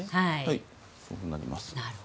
そうなります。